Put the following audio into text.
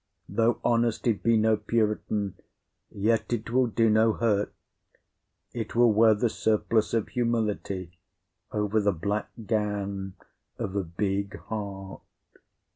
Though honesty be no puritan, yet it will do no hurt; it will wear the surplice of humility over the black gown of a big heart.